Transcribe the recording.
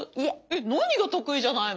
何が得意じゃないの？